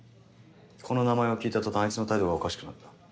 この名前を聞いた途端あいつの態度がおかしくなった。